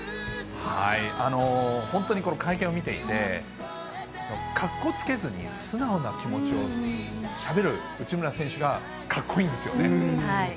本当にこの会見を見ていて、かっこつけずに、素直な気持ちをしゃべる内村選手がかっこいいんですよね。